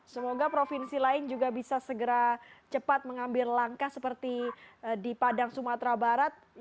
semoga provinsi lain juga bisa segera cepat mengambil langkah seperti di padang sumatera barat